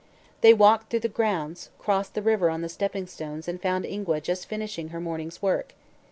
They walked through the grounds, crossed the river on the stepping stones and found Ingua just finishing her morning's work.